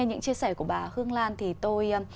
những chia sẻ của bà hương lan thì tôi